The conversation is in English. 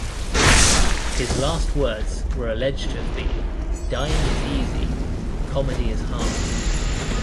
His last words were alleged to have been dying is easy; comedy is hard.